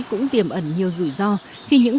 cũng tiềm ẩn nhiều rủi ro khi những